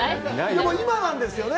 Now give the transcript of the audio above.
でも、今なんですよね。